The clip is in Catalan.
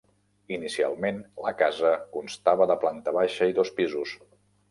Inicialment la casa constava de planta baixa i dos pisos.